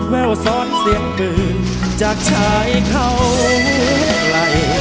แววซ้อนเสียงปืนจากชายเขาไกล